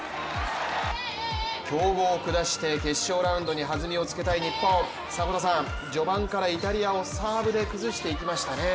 強豪を下して決勝ラウンドにはずみをつけたい日本、迫田さん、序盤からイタリアをサーブで崩していきましたね。